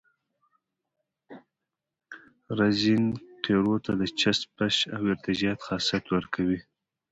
رزین قیرو ته د چسپش او ارتجاعیت خاصیت ورکوي